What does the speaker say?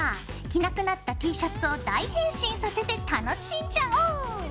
着なくなったＴシャツを大変身させて楽しんじゃおう！